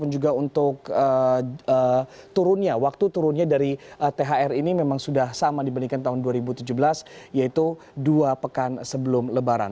jadi waktu turunnya dari thr ini memang sudah sama dibandingkan tahun dua ribu tujuh belas yaitu dua pekan sebelum lebaran